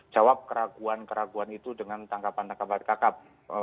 jawab keraguan keraguan itu dengan tangkapan tangkapan kakap